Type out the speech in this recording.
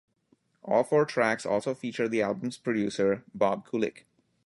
All four tracks also feature the album's producer, Bob Kulick.